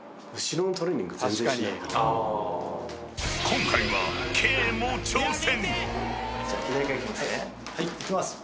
［今回はＫも挑戦］